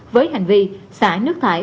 với hành vi xả nước thải